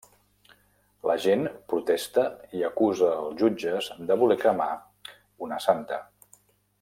La gent protesta i acusa els jutges de voler cremar una santa.